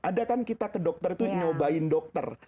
ada kan kita ke dokter itu nyobain dokter